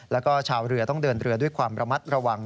แล้วก็ชาวเรือต้องเดินเรือด้วยความระมัดระวัง